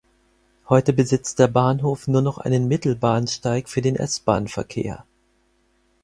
Heute besitzt der Bahnhof nur noch einen Mittelbahnsteig für den S-Bahn-Verkehr.